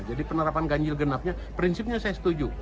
jadi penerapan ganjil kenapnya prinsipnya saya setuju